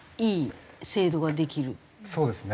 そうですね。